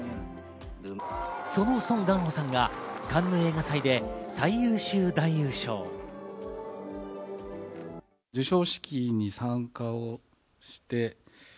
そのソン・ガンホさんがカンヌ映画祭で最優秀男優賞。